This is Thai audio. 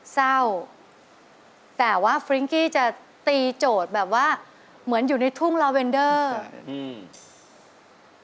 เศร้าแต่ว่าฟริ้งกี้จะตีโจทย์แบบว่าเหมือนอยู่ในทุ่งลาเวนเดอร์อืม